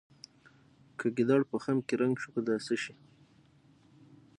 که ګیدړ په خم کې رنګ شو په دا څه شي.